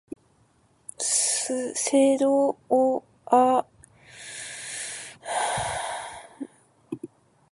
셋도 아들을 낳고 그 이름을 에노스라 하였으며 그 때에 사람들이 비로소 여호와의 이름을 불렀더라